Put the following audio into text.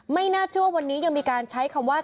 ไม่น่าเชื่อว่าวันนี้ยังมีการใช้คำว่า